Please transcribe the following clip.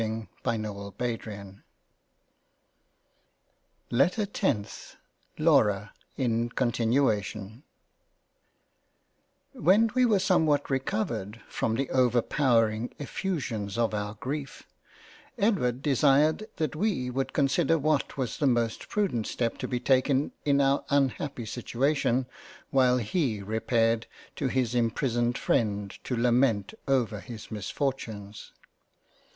18 £ LOVE AND FREINDSHIP £ LETTER ioth LAURA in continuation WHEN we were somewhat recovered from the over powering Effusions of our grief, Edward desired that we would consider what was the most prudent step to be taken in our unhappy situation while he repaired to his imprisoned freind to lament over his misfortunes.